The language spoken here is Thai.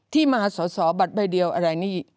ที่มาสอสอบัตรใบเดียวอะไรนี่